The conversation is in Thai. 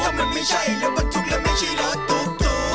ถ้ามันไม่ใช่รถประทุกข์และไม่ใช่รถตุ๊กตุ๊ก